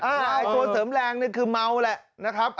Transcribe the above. ชายตัวเสริมแรงนี่คือเมาแหละนะครับ